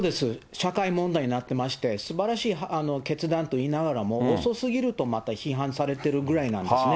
社会問題になってまして、すばらしい決断といいながらも、遅すぎると、また批判されてるぐらいなんですね。